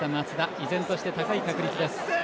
依然として高い確率です。